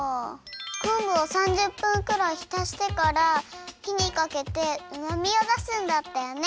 こんぶを３０分くらいひたしてからひにかけてうまみをだすんだったよね。